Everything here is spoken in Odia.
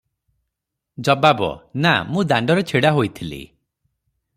ଜବାବ - ନା ମୁଁ ଦାଣ୍ଡରେ ଛିଡା ହୋଇଥିଲି ।